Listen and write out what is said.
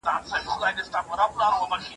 د نکاح خطرونه بايد له خلګو پټ ونه ساتل سي.